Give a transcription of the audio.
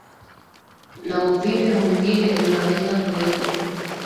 na uvimbe mwingine unaweza kuwepo